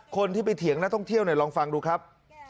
คนที่ไปเถียงนักท่องเที่ยวเนี่ยลองฟังดูครับ